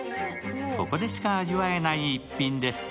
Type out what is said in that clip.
ここでしか味わえない逸品です。